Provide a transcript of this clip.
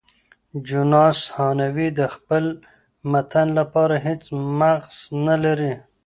جوناس هانوې د خپل متن لپاره هیڅ مأخذ نه لري.